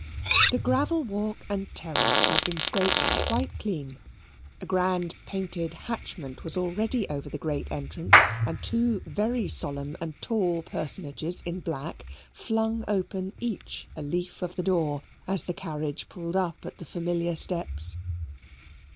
The gravel walk and terrace had been scraped quite clean. A grand painted hatchment was already over the great entrance, and two very solemn and tall personages in black flung open each a leaf of the door as the carriage pulled up at the familiar steps.